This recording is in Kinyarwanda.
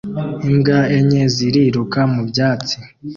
Imbwa enye ziriruka mu byatsi